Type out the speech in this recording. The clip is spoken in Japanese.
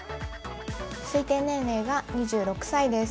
推定年齢が２６歳です